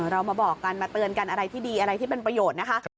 เรามาบอกกันมาเตือนกันอะไรที่ดีอะไรที่เป็นประโยชน์นะคะ